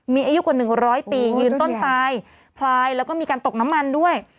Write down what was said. มีอายุกว่า๑๐๐ปียืนต้นตายพลายแล้วก็มีการตกน้ำมันด้วย